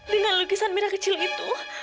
dengan lukisan mira kecil itu